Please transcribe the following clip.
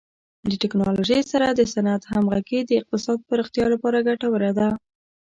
د ټکنالوژۍ سره د صنعت همغږي د اقتصادي پراختیا لپاره ګټوره ده.